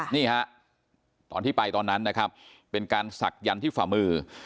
นี่ฮะตอนที่ไปตอนนั้นนะครับเป็นการศักดิ์ที่ฝ่ามือ